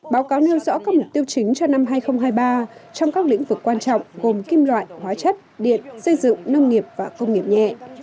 báo cáo nêu rõ các mục tiêu chính cho năm hai nghìn hai mươi ba trong các lĩnh vực quan trọng gồm kim loại hóa chất điện xây dựng nông nghiệp và công nghiệp nhẹ